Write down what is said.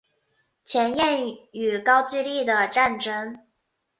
前燕与高句丽的战争